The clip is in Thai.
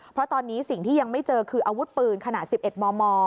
เพราะตอนนี้สิ่งที่ยังไม่เจอคืออาวุธปืนขนาด๑๑มม